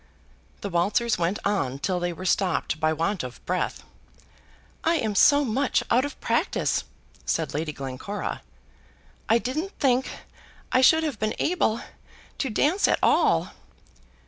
The waltzers went on till they were stopped by want of breath. "I am so much out of practice," said Lady Glencora; "I didn't think I should have been able to dance at all."